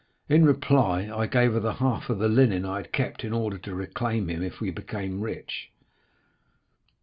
In reply I gave her the half of the linen I had kept in order to reclaim him if we became rich."